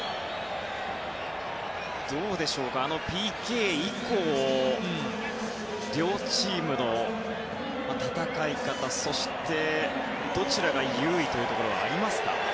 どうでしょうかあのＰＫ以降両チームの戦い方そしてどちらが優位というところはありますか？